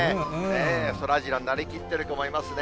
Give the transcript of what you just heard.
そらジローになりきっている子もいますね。